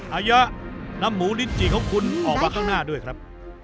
อายะนำหมูลิ้นจี่ของคุณออกมาข้างหน้าด้วยครับ